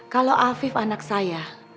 kalau afif anak saya